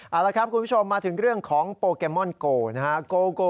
เอาละครับคุณผู้ชมมาถึงเรื่องของโปเกมอนโกนะฮะ